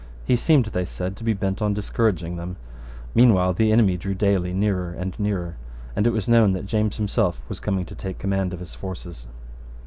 He seemed, they said, to be bent on discouraging them. Meanwhile the enemy drew daily nearer and nearer; and it was known that James himself was coming to take the command of his forces.